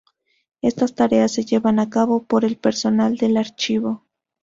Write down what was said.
Estas tareas se llevan a cabo por el personal del Archivo.